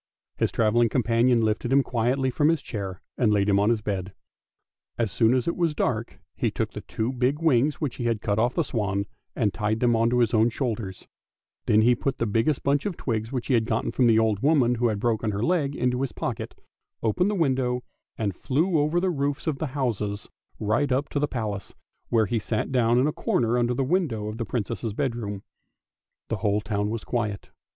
His travelling companion lifted him quietly up from his chair, and laid him on his bed. As soon as it was dark he took the two big wings which he had cut off the swan, and tied them on to his own shoulders; then he put the biggest bunch of twigs he had got from the old woman who had broken her leg into his pocket, opened the window, and flew over the roofs of the houses right up to the Palace, where he sat down in a corner under the window of the Princess' bedroom. The whole town was quiet.